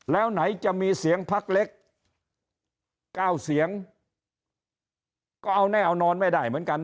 แล้วไหนจะมีเสียงพักเล็กเก้าเสียงก็เอาแน่นอนไม่ได้เหมือนกัน